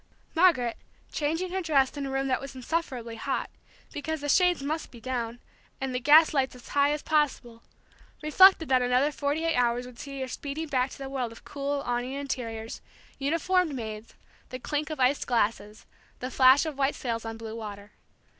Margaret, changing her dress in a room that was insufferably hot, because the shades must be down, and the gas lights as high as possible, reflected that another forty eight hours would see her speeding back to the world of cool, awninged interiors, uniformed maids, the clink of iced glasses, the flash of white sails on blue water.